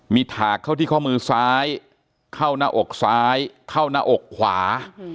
มีถากเข้าที่ข้อมือซ้ายเข้าหน้าอกซ้ายเข้าหน้าอกขวา